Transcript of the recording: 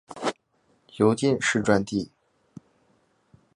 由进士擢第。